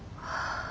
ああ